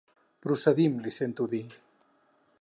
Procedim, li sento dir.